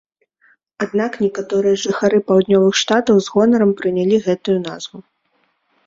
Аднак некаторыя жыхары паўднёвых штатаў з гонарам прынялі гэтую назву.